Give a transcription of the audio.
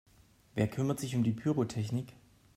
Wer kümmert sich um die Pyrotechnik?